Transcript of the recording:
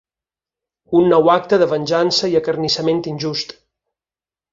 Un nou acte de venjança i acarnissament injust.